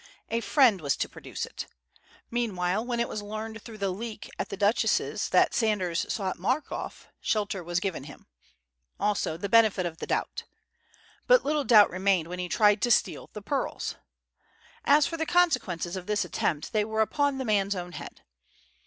A "friend" was to produce it. Meanwhile, when it was learned through the "leak" at the Duchess's that Sanders sought Markoff, shelter was given him; also the "benefit of the doubt." But little doubt remained when he tried to steal the pearls! As for the consequences of this attempt, they were upon the man's own head!